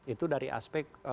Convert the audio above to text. itu dari aspek